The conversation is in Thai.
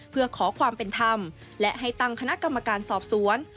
เพื่อขอความเป็นธรรมและให้ตั้งคณะกรรมการสอบสวน